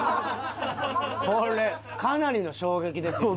これかなりの衝撃ですよ